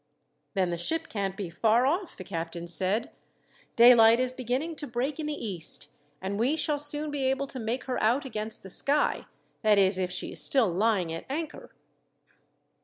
"Then the ship can't be far off," the captain said. "Daylight is beginning to break in the east, and we shall soon be able to make her out against the sky that is, if she is still lying at anchor."